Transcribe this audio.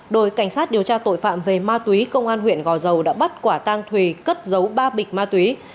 đội cảnh sát điều tra tội phạm về ma túy công an huyện gò dầu đã bắt quả tang thùy cất dấu ba bịch ma túy